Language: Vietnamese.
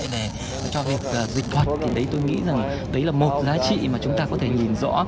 để cho việc dịch thuật thì đấy tôi nghĩ rằng đấy là một giá trị mà chúng ta có thể nhìn rõ